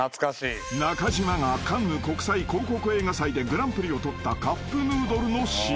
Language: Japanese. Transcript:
［なかじまがカンヌ国際広告映画祭でグランプリを取ったカップヌードルのＣＭ］